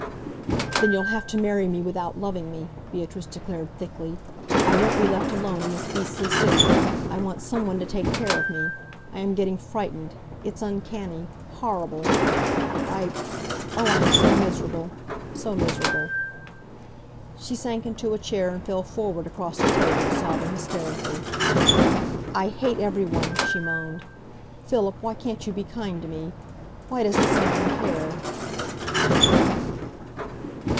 "Then you'll have to marry me without loving me," Beatrice declared thickly. "I won't be left alone in this beastly city! I want some one to take care of me. I am getting frightened. It's uncanny horrible! I oh! I am so miserable so miserable!" She sank into a chair and fell forward across the table, sobbing hysterically. "I hate every one!" she moaned. "Philip, why can't you be kind to me! Why doesn't some one care!"